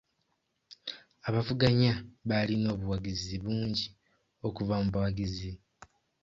Abavuganya baalina obuwagizi bungi okuvu mu bawagizi.